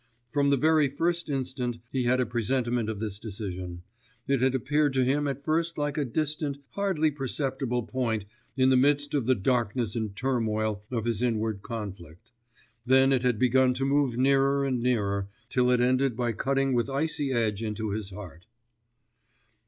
From the very first instant he had a presentiment of this decision; ... it had appeared to him at first like a distant, hardly perceptible point in the midst of the darkness and turmoil of his inward conflict; then it had begun to move nearer and nearer, till it ended by cutting with icy edge into his heart.